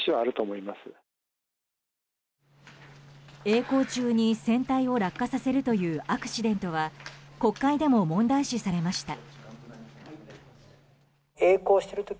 えい航中に船体を落下させるというアクシデントは国会でも問題視されました。